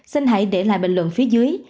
xin hãy để lại bình luận phía dưới